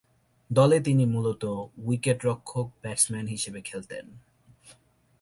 দলে তিনি মূলতঃ উইকেট-রক্ষক-ব্যাটসম্যান হিসেবে খেলতেন।